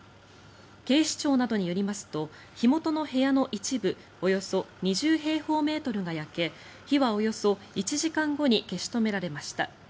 警視庁などによりますと火元の部屋の一部およそ２０平方メートルが焼け火はおよそ１時間後に消し止められました。